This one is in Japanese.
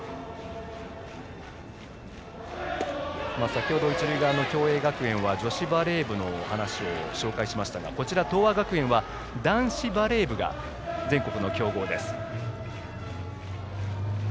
先程、一塁側の共栄学園は女子バレー部の話を紹介しましたがこちら、東亜学園は男子バレー部が全国の強豪。